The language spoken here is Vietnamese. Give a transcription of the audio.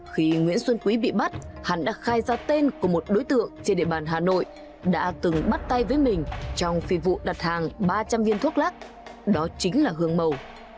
khi nguyễn xuân quý bị bắt hắn đã khai ra tên của một đối tượng trên địa bàn hà nội đã từng bắt tay với mình trong phi vụ đặt hàng ba trăm linh viên thuốc lắc đó chính là hương mầu